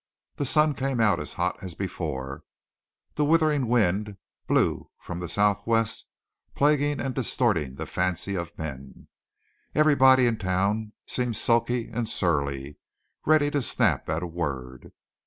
The sun came out as hot as before, the withering wind blew from the southwest plaguing and distorting the fancy of men. Everybody in town seemed sulky and surly, ready to snap at a word.